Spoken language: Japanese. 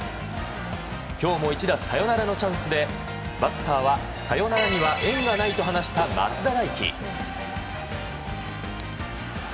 今日も一打サヨナラのチャンスでバッターはサヨナラには縁がないと話した増田大輝。